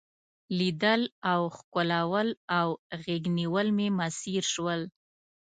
لیدل او ښکلول او غیږ نیول مې میسر شول.